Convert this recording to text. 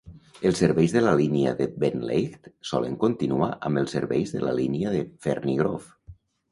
Els serveis de la línia de Beenleigh solen continuar amb els serveis de la línia de Ferny Grove.